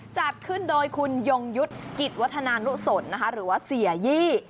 จัดขึ้นโดยคุณยงยุทธ์กิจวัฒนานุสนนะคะหรือว่าเสียยี่